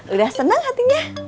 udah seneng hatinya